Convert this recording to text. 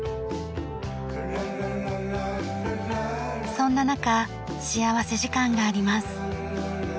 そんな中幸福時間があります。